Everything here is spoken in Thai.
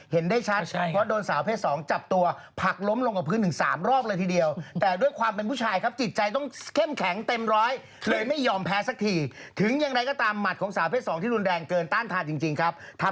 เห็นหน้าตาแบบนี้อย่าเป็นมีเรื่องนะครับ